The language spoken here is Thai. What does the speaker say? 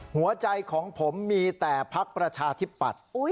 หัวใจของผมมีแต่พักประชาธิปัตย์